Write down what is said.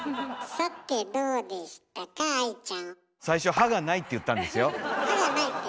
最初「歯が無い」って言ったんですよ。